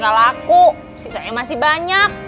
udah nyusah banget